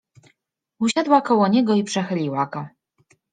Usiadła koło niego i przechyliła go.